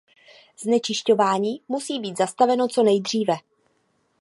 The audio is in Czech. Znečišťování musí být zastaveno co nejdříve.